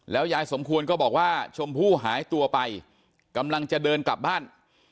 ยายสมควรก็บอกว่าชมพู่หายตัวไปกำลังจะเดินกลับบ้าน